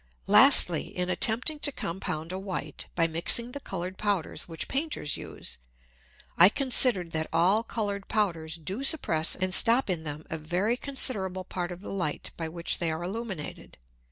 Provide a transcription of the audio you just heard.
Lastly, In attempting to compound a white, by mixing the coloured Powders which Painters use, I consider'd that all colour'd Powders do suppress and stop in them a very considerable Part of the Light by which they are illuminated.